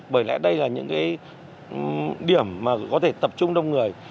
bởi lẽ đây là những điểm có thể tập trung đông người